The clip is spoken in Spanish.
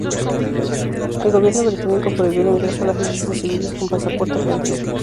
El gobierno británico prohibió el ingreso a las islas de civiles con pasaporte argentino.